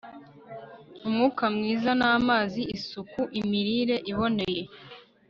Umwuka mwiza namazi isuku imirire iboneye